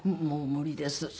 もう無理です。